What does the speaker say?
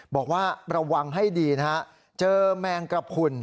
บอกว่าระวังให้ดีนะฮะเจอแมงกระพุน